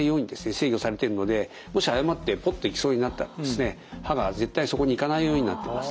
制御されてるのでもし誤ってポッといきそうになったら刃が絶対そこにいかないようになってます。